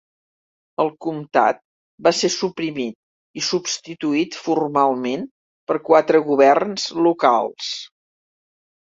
El comtat va ser suprimit i substituït formalment per quatre governs locals.